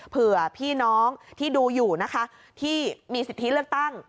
เผื่อพี่น้องที่ดูอยู่นะคะที่มีสิทธิเลือกตั้ง